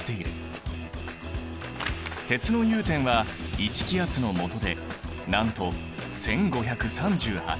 鉄の融点は１気圧のもとでなんと１，５３８℃！